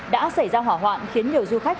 đã xảy ra hỏa hoạn khiến nhiều du khách